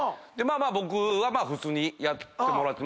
僕はまあ普通にやってもらって。